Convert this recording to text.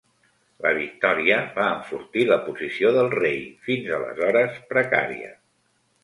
La victòria va enfortir la posició del rei, fins aleshores precària.